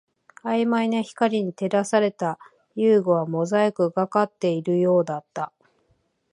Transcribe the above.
曖昧な光に照らされた遊具はモザイクがかかっているようだった